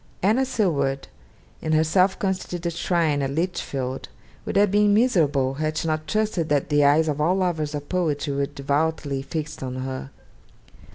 Anna Seward, in her self constituted shrine at Lichfield, would have been miserable, had she not trusted that the eyes of all lovers of poetry were devoutly fixed on her.